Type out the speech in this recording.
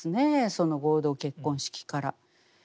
その合同結婚式から。